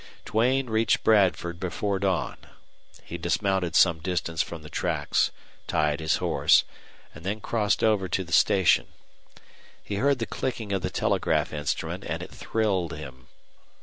Duane reached Bradford before dawn. He dismounted some distance from the tracks, tied his horse, and then crossed over to the station. He heard the clicking of the telegraph instrument, and it thrilled him.